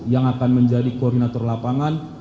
yang akan menjadi koordinator lapangan